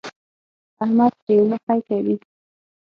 احمد تريو مخی کوي.